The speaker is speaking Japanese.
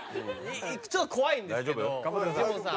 ちょっと怖いんですけどジモンさん。